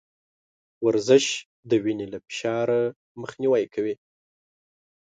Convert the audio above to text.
ورزش د وينې له فشار مخنيوی کوي.